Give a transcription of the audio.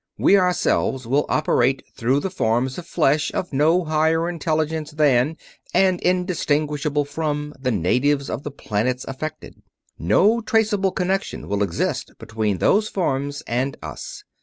We ourselves will operate through forms of flesh of no higher intelligence than, and indistinguishable from, the natives of the planets affected. No traceable connection will exist between those forms and us.